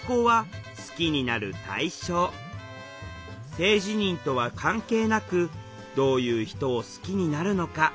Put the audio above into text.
性自認とは関係なくどういう人を好きになるのか。